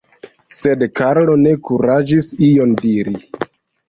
Sed Karlo ne kuraĝis ion diri.